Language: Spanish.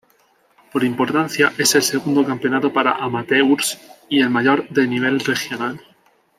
Por importancia, es el segundo campeonato para amateurs y el mayor de nivel regional.